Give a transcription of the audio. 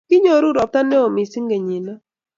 Kinyoru ropta neo missing' kenyinno.